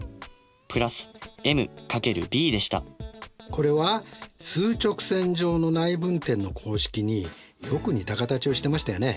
これは数直線上の内分点の公式によく似た形をしてましたよね。